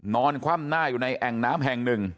คว่ำหน้าอยู่ในแอ่งน้ำแห่งหนึ่ง